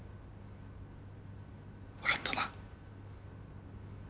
わかったな？